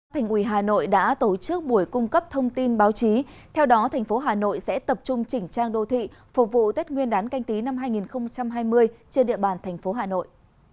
thành ủy hà nội đã tổ chức buổi cung cấp thông tin báo chí theo đó thành phố hà nội sẽ tập trung chỉnh trang đô thị phục vụ tết nguyên đán canh tí năm hai nghìn hai mươi trên địa bàn thành phố hà nội